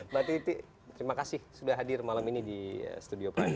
berarti itu terima kasih sudah hadir malam ini di studio pranyus